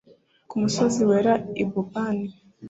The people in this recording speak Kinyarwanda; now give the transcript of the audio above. ku musozi wera ububani